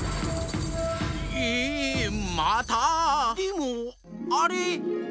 ええまた⁉でもあれ。